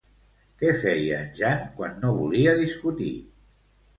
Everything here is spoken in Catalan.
Què feia en Jan quan no volia discutir?